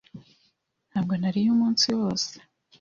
Ntabwo nariye umunsi wose.